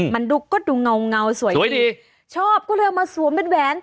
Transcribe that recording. มันดูก็ดูเงาสวยดีชอบก็เลยเอามาสวมเป็นแหวน